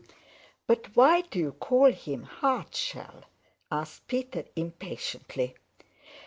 "But why do you call him Hardshell?" asked Peter impatiently.